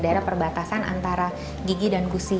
daerah perbatasan antara gigi dan gusi